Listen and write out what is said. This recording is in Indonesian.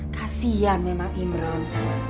kasian memang imron